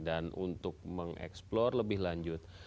dan untuk mengeksplor lebih lanjut